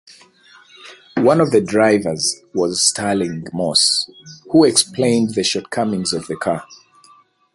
One of the drivers was Stirling Moss who explained the shortcomings of the cars.